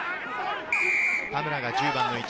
田村が１０番の位置。